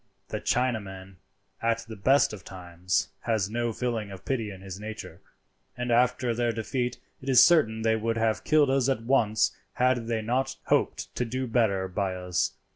The Chinaman, at the best of times, has no feeling of pity in his nature; and after their defeat it is certain they would have killed us at once had they not hoped to do better by us.